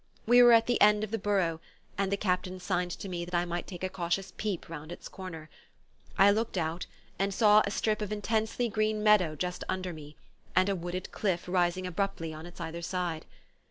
We were at the end of the burrow, and the Captain signed to me that I might take a cautious peep round its corner. I looked out and saw a strip of intensely green meadow just under me, and a wooded cliff rising abruptly on its other side.